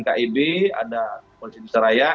pbi ada polisi bisaraya